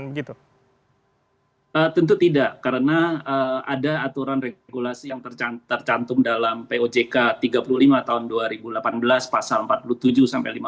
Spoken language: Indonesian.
tentu tidak karena ada aturan regulasi yang tercantum dalam pojk tiga puluh lima tahun dua ribu delapan belas pasal empat puluh tujuh sampai lima puluh